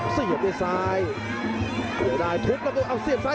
เสียบได้ซ้าย